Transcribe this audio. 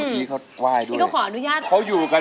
พี่หนูออกครั้งอื่น